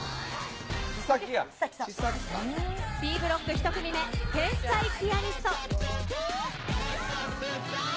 Ｂブロック１組目、天才ピアニスト。